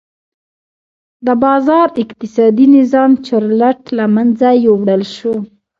د بازار اقتصادي نظام چورلټ له منځه یووړل شو.